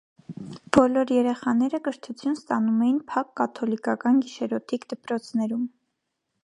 Բոլոր երեխաները կրթություն ստանում էին փակ կաթոլիկական գիշերօթիկ դպրոցներում։